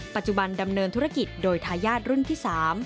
ปัจจุบันดำเนินธุรกิจโดยทายาทรุ่นที่๓